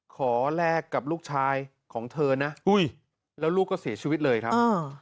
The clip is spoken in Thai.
แลกกับลูกชายของเธอนะอุ้ยแล้วลูกก็เสียชีวิตเลยครับ